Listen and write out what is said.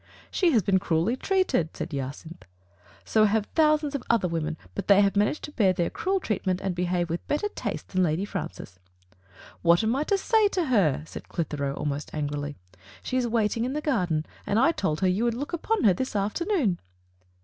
"She has been cruelly treated," said Jacynth. "So have thousands of other women, but they manage to bear their cruel treatment and behave with better taste than Lady Francis." "What am I to say to her?" said Qitheroe, almost angrily. "She is waiting in the garden. I told her that you would call upon her this afternoon."